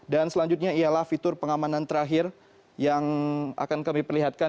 dan selanjutnya ialah fitur pengamanan terakhir yang akan kami perlihatkan